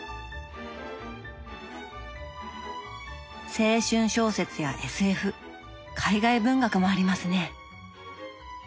青春小説やＳＦ海外文学もありますね！